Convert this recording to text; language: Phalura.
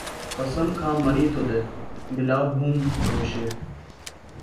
قسم کھا منِیتو دےۡ مِلاؤ بُھوم رھوشے۔